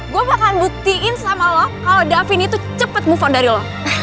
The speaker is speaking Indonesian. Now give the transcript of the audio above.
gue bakalan buktiin sama lo kalau davin itu cepet move on dari lo